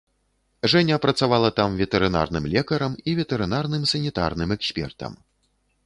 Жэня працавала там ветэрынарным лекарам і ветэрынарным санітарным экспертам.